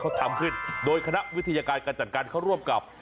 เขาทำขึ้นโดยคณะวิทยาการการจัดการเขาร่วมกับ